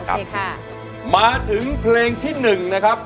โอเคค่ะโอเคค่ะมาถึงเพลงที่หนึ่งนะครับ